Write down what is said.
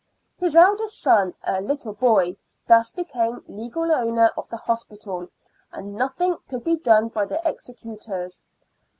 His eldest son, a little boy, thus became legal owner of the hospital, and nothing could be done by the executors.